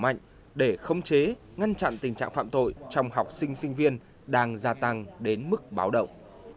mạnh để không chế ngăn chặn tình trạng phạm tội trong học sinh sinh viên đang gia tăng đến mức báo động